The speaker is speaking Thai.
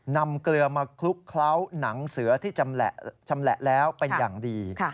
เกลือมาคลุกเคล้าหนังเสือที่ชำแหละแล้วเป็นอย่างดี